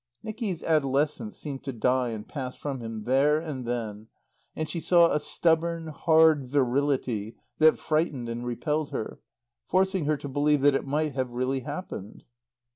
Nicky's adolescence seemed to die and pass from him there and then; and she saw a stubborn, hard virility that frightened and repelled her, forcing her to believe that it might have really happened.